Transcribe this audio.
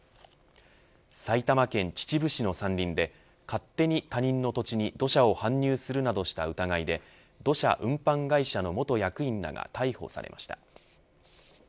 埼玉県秩父市の山林で勝手に他人の土地に土砂を搬入するなどした疑いで土砂運搬会社の元役員らが逮捕されました。